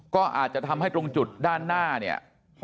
ก็อาจจะทำให้ตรงจุดด้านหน้าเนี่ย